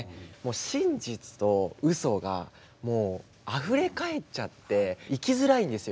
真実とウソがあふれかえっちゃって生きづらいんですよ